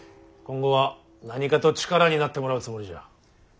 今後は何かと力になってもらうつもりじゃ。